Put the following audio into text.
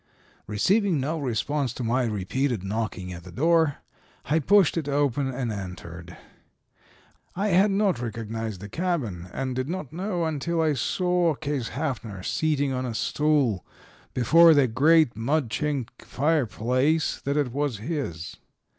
"Receiving no response to my repeated knockings at the door, I pushed it open and entered. I had not recognized the cabin and did not know until I saw Case Haffner sitting on a stool before the great mud chinked fire place, that it was his.